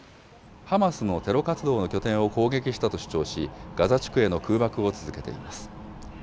ハマスのテロ活動の拠点を攻撃したと主張し、ガザ地区への空爆を続けています。